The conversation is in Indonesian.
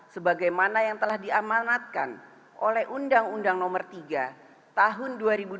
sebagaimana yang telah diamanatkan oleh undang undang nomor tiga tahun dua ribu dua